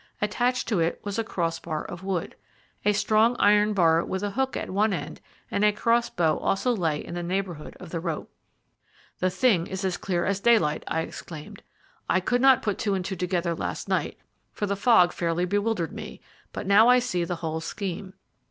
Attached to it was a crossbar of wood. A strong iron bar with a hook at one end and a crossbow also lay in the neighbourhood of the rope. "The thing is as clear as daylight," I exclaimed. "I could not put two and two together last night, for the fog fairly bewildered me, but now I see the whole scheme.